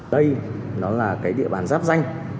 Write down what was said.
đây nó là cái địa bàn giáp danh